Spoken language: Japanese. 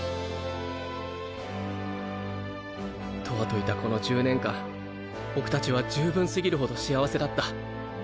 とわといたこの１０年間ボク達は充分すぎるほど幸せだった。